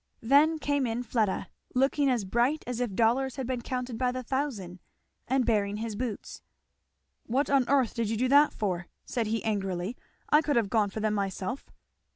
Then came in Fleda, looking as bright as if dollars had been counted by the thousand, and bearing his boots. "What on earth did you do that for?" said he angrily. "I could have gone for them myself."